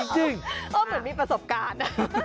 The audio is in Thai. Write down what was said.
เหมือนมีประสบการณ์